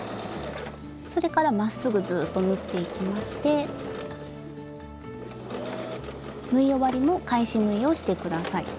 それからまっすぐずっと縫っていきまして縫い終わりも返し縫いをして下さい。